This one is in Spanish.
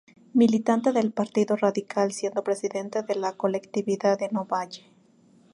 Militante del Partido Radical, siendo presidente de la colectividad en Ovalle.